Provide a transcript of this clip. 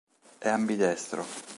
É ambidestro.